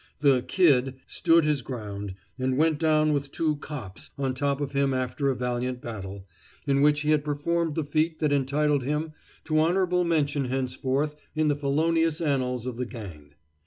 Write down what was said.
The "Kid" stood his ground, and went down with two "cops" on top of him after a valiant battle, in which he had performed the feat that entitled him to honorable mention henceforth in the felonious annals of the gang.